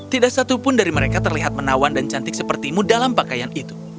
tidak satupun dari mereka terlihat menawan dan cantik sepertimu dalam pakaian itu